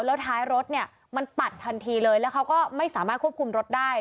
แล้วท้ายรถเนี่ยมันปัดทันทีเลยแล้วเขาก็ไม่สามารถควบคุมรถได้